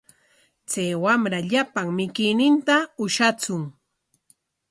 Chay wamra llapan mikuyninta ushatsun.